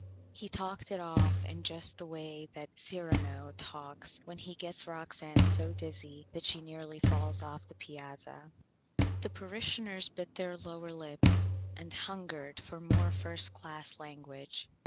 He talked it off in just the Way that Cyrano talks when he gets Roxane so Dizzy that she nearly falls off the Piazza. The Parishioners bit their Lower Lips and hungered for more First Class Language.